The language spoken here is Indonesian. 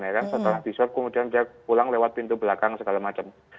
setelah diswab kemudian dia pulang lewat pintu belakang segala macam